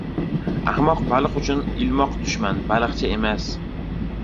• Ahmoq baliq uchun ilmoq dushman, baliqchi emas.